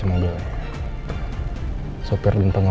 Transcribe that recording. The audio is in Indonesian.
oh ini dia